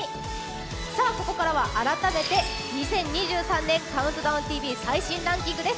ここからは改めて２０２３年ＣＤＴＶ最新ランキングです。